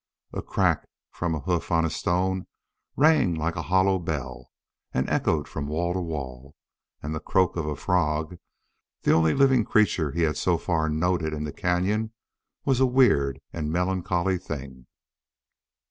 A crack from a hoof on a stone rang like a hollow bell and echoed from wall to wall. And the croak of a frog the only living creature he had so far noted in the cañon was a weird and melancholy thing.